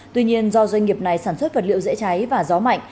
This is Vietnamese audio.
tuy nhiên do doanh nghiệp này sản xuất vật liệu dễ cháy và gió mạnh